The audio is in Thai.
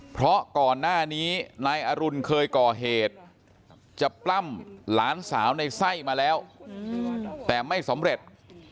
เพราะก่อนหน้านี้นายอรุณเคยก่อเหตุจะปล้ำหลานสาวในไส้มาแล้วแต่ไม่สำเร็จ